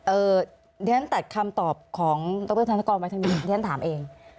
เอ่อดิฉันตัดคำตอบของดรธรรมกรวัฒนีที่ท่านถามเอง